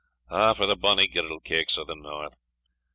O for the bonnie girdle cakes o' the north!